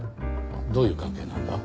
どういう関係なんだ？